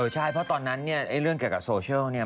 ใช่เพราะตอนนั้นเนี่ยเรื่องเกี่ยวกับโซเชียลเนี่ย